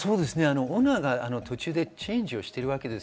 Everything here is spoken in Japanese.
オーナーが途中でチェンジしています。